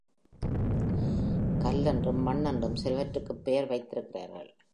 கல் என்றும், மண் என்றும் சிலவற்றுக்குப் பெயர் வைத்திருக்கிறார்கள்.